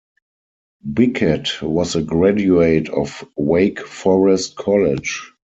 Bickett was a graduate of Wake Forest College.